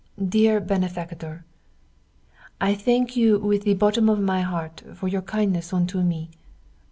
Dear Benefactor, I thank you with the bottom of my heart for your kindness unto me.